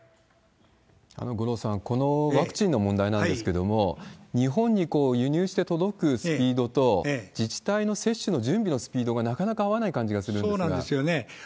五郎さん、このワクチンの問題なんですけれども、日本に輸入して届くスピードと、自治体の接種の準備のスピードがなかなか合わない感じがするんでそうなんですよね。